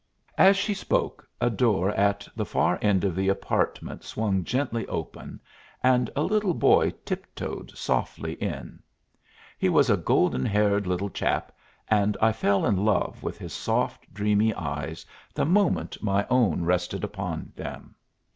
As she spoke, a door at the far end of the apartment swung gently open, and a little boy tiptoed softly in. He was a golden haired little chap, and I fell in love with his soft, dreamy eyes the moment my own rested upon them.